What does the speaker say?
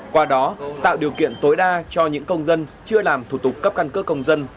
qua đó tạo điều kiện tối đa cho những công dân chưa làm thủ tục cấp căn cước công dân